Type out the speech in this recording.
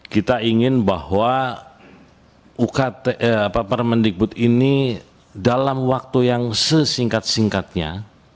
kita ingin bahwa permendikbud ini dalam waktu yang sesingkat singkatnya